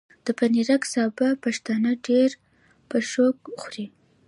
د پنېرک سابه پښتانه ډېر په شوق خوري۔